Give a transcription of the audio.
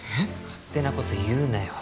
勝手な事言うなよ。